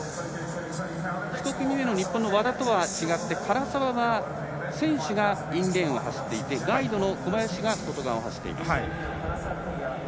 １組目の日本の和田とは違って唐澤選手がインレーンを走っていてガイドの小林が外側を走っています。